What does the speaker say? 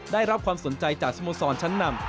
ได้รับความสนใจจากสโมสรชั้นนำ